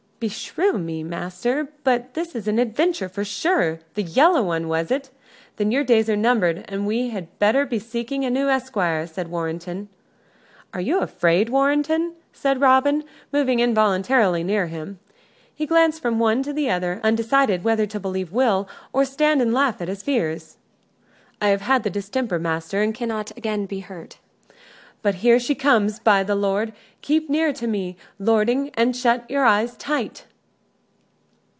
"Beshrew me, master, but this is an adventure, for sure! The Yellow One, was it? Then your days are numbered, and we had better be seeking a new esquire," said Warrenton. "Are you afraid, Warrenton?" said Robin, moving involuntarily nearer to him. He glanced from one to the other, undecided whether to believe Will or stand and laugh at his fears. "I have had the distemper, master, and cannot again be hurt. But here she comes, by the Lord! Keep near to me, lording, and shut your eyes tight."